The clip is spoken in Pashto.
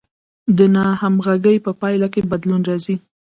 د ناهمغږۍ په پایله کې بدلون راځي.